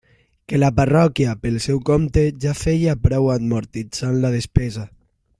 Que la parròquia, pel seu compte, ja feia prou amortitzant la despesa.